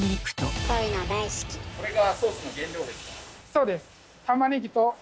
そうです。